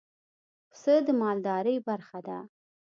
پسه د مالدارۍ برخه ده.